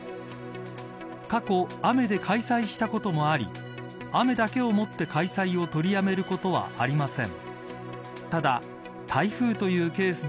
過去、雨で開催したこともあり雨だけをもって開催を取り止めることはありません。